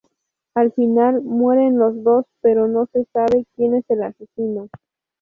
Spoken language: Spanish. Al final mueren los dos pero no se sabe quien es el asesino.